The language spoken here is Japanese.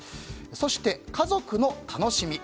そして、かぞくの楽しみ。